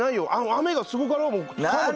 雨がすごかろ？